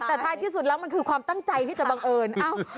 แต่ท้ายที่สุดแล้วมันคือความตั้งใจที่จะบังเอิญ